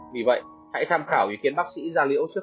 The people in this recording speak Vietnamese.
vì vậy hãy tham khảo ý kiến bác sĩ gia liễu trước khi sử dụng